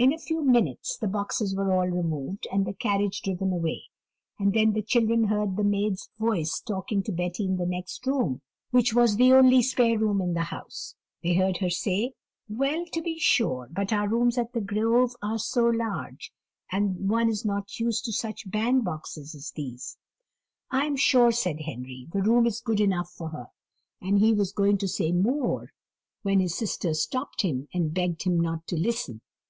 In a few minutes the boxes were all removed, and the carriage driven away; and then the children heard the maid's voice talking to Betty in the next room, which was the only spare room in the house. They heard her say, "Well, to be sure, but our rooms at The Grove are so large, that one is not used to such bandboxes as these." "I am sure," said Henry, "the room is good enough for her:" and he was going to say more, when his sisters stopped him, and begged him not to listen.